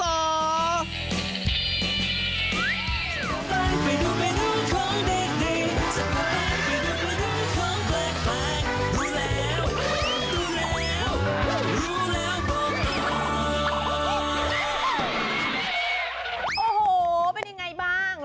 โอ้โหเป็นยังไงบ้าง